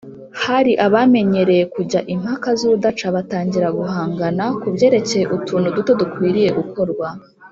hari abamenyereye kujya impaka z’urudaca, batangira guhangana ku byerekeye utuntu duto dukwiriye gukorwa,